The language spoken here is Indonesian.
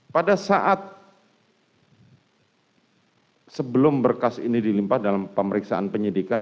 pada saat sebelum berkas ini dilimpah dalam pemeriksaan penyidikan